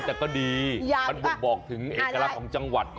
แต่ก็ดีมันบ่งบอกถึงเอกลักษณ์ของจังหวัด